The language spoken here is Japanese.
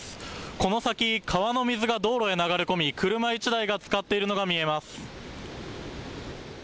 この先、川の水が道路へ流れ込み、車１台がつかっているのが見えます。